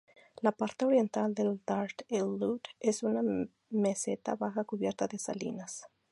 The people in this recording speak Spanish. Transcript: La parte oriental de Dasht-e-Lut es una meseta baja cubierta de salinas.